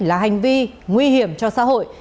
là hành vi nguy hiểm cho xã hội